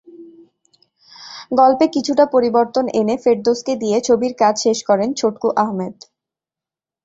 গল্পে কিছুটা পরিবর্তন এনে ফেরদৌসকে দিয়ে ছবির কাজ শেষ করেন ছটকু আহমেদ।